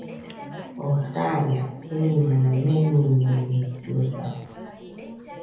Oo saia, ɨimana meniñoñeitɨosa